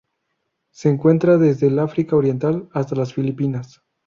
Se encuentra desde el África Oriental hasta las Filipinas.